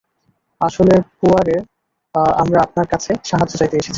আসলে পোয়ারো, আমরা আপনার কাছে সাহায্য চাইতে এসেছি।